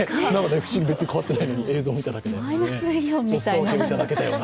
別に変わってないのに、映像を見ただけで。